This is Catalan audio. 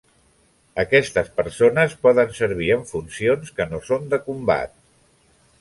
Aquestes persones poden servir en funcions que no són de combat.